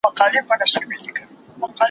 له احتیاجه چي سي خلاص بادار د قام وي.